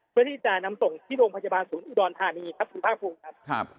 พฤษฎานำตรงที่โรงพัชบาลศูนย์อุดรฐานีสุนภาคภูมิครับ